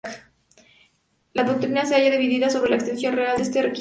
La doctrina se halla dividida sobre la extensión real de este requisito.